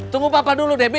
tunggu papa dulu debi